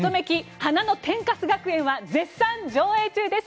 花の天カス学園」は絶賛上映中です。